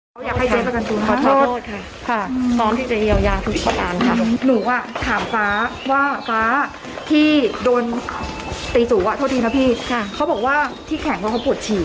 ไม่เคยคิดจะทำอะไรเขาค่ะ